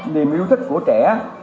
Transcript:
niềm yêu thích của trẻ